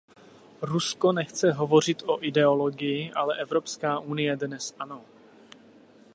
Rusko nechce hovořit o ideologii, ale Evropská unie dnes ano.